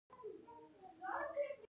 تور ټیکری یا تور خال د نظر مخه نیسي.